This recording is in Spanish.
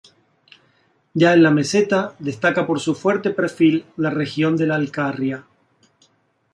Ya en la meseta destaca por su fuerte perfil la región de La Alcarria.